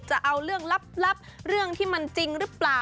จะเอาเรื่องลับเรื่องที่มันจริงหรือเปล่า